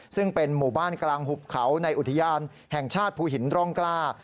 ซึ่งเป็นหมู่บ้านกลางหุบเขาในอุทยานแห่งชาติภูหินร่องกล้า